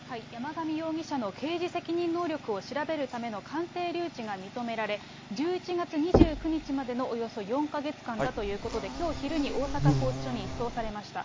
山上容疑者の刑事責任能力を調べるための鑑定留置が認められ、１１月２９日までのおよそ４か月間だということで、きょう昼に、大阪拘置所に移送されました。